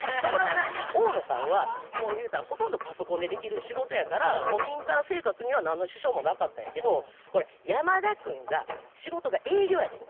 大野さんはもう言うたらほとんどパソコンでできる仕事やから古民家生活には何の支障もなかったんやけど山田君が仕事が営業やねん。